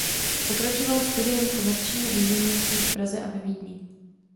Pokračoval studiem komerčního inženýrství v Praze a ve Vídni.